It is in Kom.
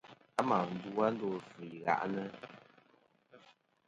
A mà ndu a ndo afvɨ i ghaʼnɨ.